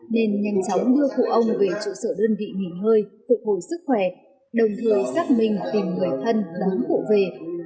nên nhanh chóng đưa cụ ông về trụ sở đơn vị nghỉ hơi phục hồi sức khỏe đồng thời xác minh tìm người thân đón cụ về